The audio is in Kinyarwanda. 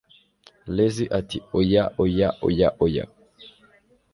Lizzie ati Oya oya oya oya